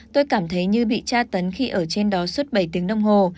tôi cảm thấy như bị tra tấn khi ở trên đó suốt bảy tiếng đồng hồ